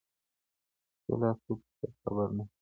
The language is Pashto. چې ښی لاس ورکړي چپ خبر نشي.